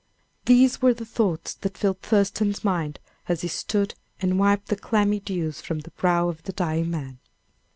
These were the thoughts that filled Thurston's mind as he stood and wiped the clammy dews from the brow of the dying man.